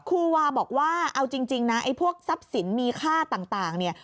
ครูวาบอกว่าเอาจริงนะไอ้พวกทรัพย์สินมีค่าต่างเนี่ย